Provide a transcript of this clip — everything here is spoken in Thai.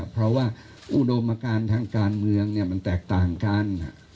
เพราะว่าอุดมการทางการเมืองมันแตกต่างกัน